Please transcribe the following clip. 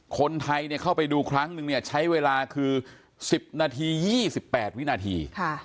คนไทยเข้าไปดูครั้งนึงเนี่ยใช้เวลาคือ๑๐นาที๒๘วินาที